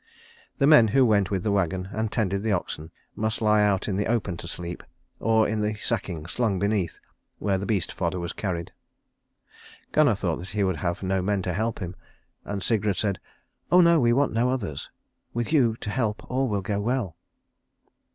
The men who went with the wagon, and tended the oxen, must lie out in the open to sleep, or in the sacking slung beneath where the beast fodder was carried. Gunnar thought that he would have no men to help him, and Sigrid said, "Oh no, we want no others. With you to help all will go well."